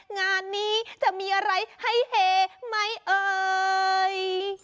งานนี้จะมีอะไรให้เฮไหมเอ่ย